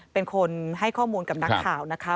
เป็นคนให้ข้อมูลกับนักข่าวนะคะ